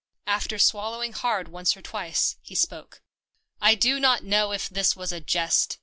After swallowing hard once or twice, he spoke. " I do not know if this was a jest."